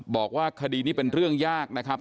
บอกว่าคดีนี้เป็นเรื่องยากนะครับ